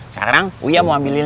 sekarang uya mau ambil lilin